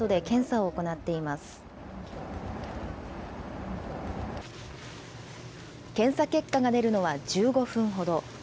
検査結果が出るのは１５分ほど。